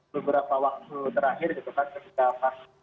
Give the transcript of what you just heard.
beberapa waktu terakhir ketika mas